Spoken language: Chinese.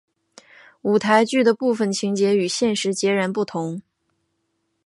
舞台剧的部分情节与现实截然不同。